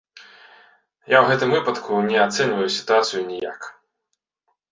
Я ў гэтым выпадку не ацэньваю сітуацыю ніяк.